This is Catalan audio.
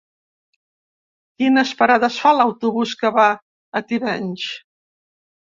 Quines parades fa l'autobús que va a Tivenys?